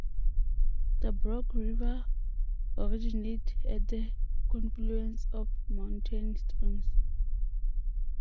The Brock River originates at the confluence of mountain streams.